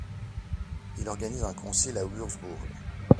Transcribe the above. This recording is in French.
Il organise un concile à Wurzbourg.